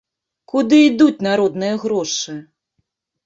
Куды ідуць народныя грошы?